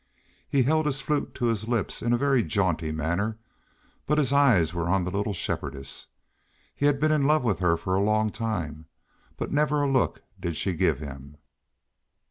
He held his flute to his lips in a very jaunty manner, but his eyes were on the little Shepherdess. He had been in love with her for a long time, but never a look did she give him.